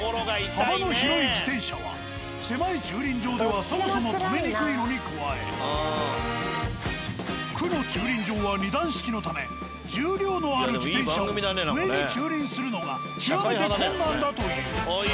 幅の広い自転車は狭い駐輪場ではそもそも停めにくいのに加え区の駐輪場は２段式のため重量のある自転車を上に駐輪するのが極めて困難だという。